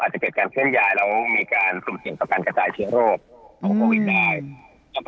อาจจะเกิดการเคลื่อนย้ายแล้วมีการสุ่มเสี่ยงต่อการกระจายเชื้อโรคของโควิดได้